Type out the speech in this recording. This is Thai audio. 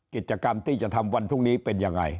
กิจกรรมที่จะทำวันพรุ่งนี้เป็นยังไง